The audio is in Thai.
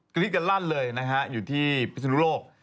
รีดกันลั่นเลยนะฮะอยู่ที่พิศนุโลก